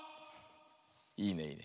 いいねいいね。